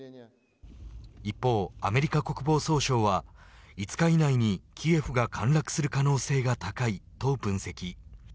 一方、アメリカ国防総省は５日以内にキエフが陥落する可能性が高いと分析。